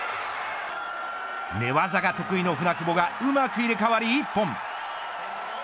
寝技が得意の舟久保がうまく入れ替わり一本。